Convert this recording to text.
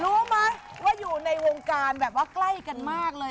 รู้ไหมว่าอยู่ในวงการแบบว่าใกล้กันมากเลย